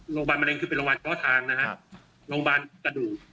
โรงพยาบาลมะเร็งคือเป็นโรงพยาบาลเฉพาะทางนะฮะโรงพยาบาลกระดูก